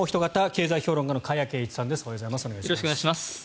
よろしくお願いします。